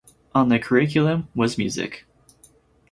On the curriculum was music.